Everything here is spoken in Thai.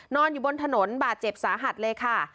นอนอยู่บนถนนบาดเจ็บสาหัสเลยค่ะ